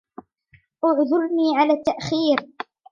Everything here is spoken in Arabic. اعذرني على التأخير.